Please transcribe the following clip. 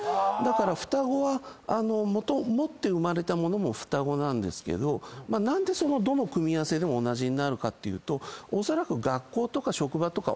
双子は持って生まれたものも双子なんですけど何でどの組み合わせでも同じになるかっていうとおそらく。